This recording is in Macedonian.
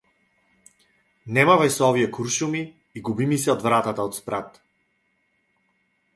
Не мавај со овие куршуми и губи ми се од вратата од спрат!